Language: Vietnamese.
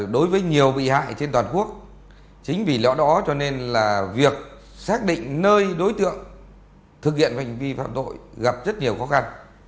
đối với nhiều bị hại trên toàn quốc chính vì lẽ đó cho nên là việc xác định nơi đối tượng thực hiện hành vi phạm tội gặp rất nhiều khó khăn